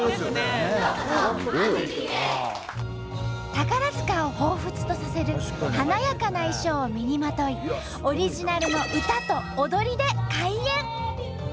宝塚をほうふつとさせる華やかな衣装を身にまといオリジナルの歌と踊りで開演！